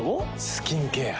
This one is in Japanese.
スキンケア。